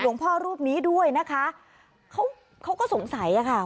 หลวงพ่อรูปนี้ด้วยนะคะเขาก็สงสัยนะคะ